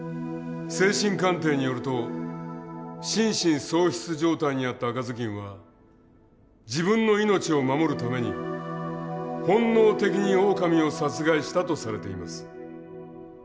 精神鑑定によると心神喪失状態にあった赤ずきんは自分の命を守るために本能的にオオカミを殺害したとされています。